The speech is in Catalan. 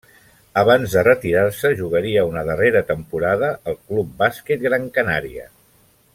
Abans de retirar-se jugaria una darrera temporada al Club Bàsquet Gran Canària.